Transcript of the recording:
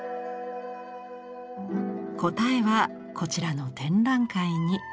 答えはこちらの展覧会に。